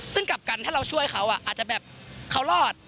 ซึ่งกลับกันถ้าเราช่วยเขาอาจจะแบบเขารอด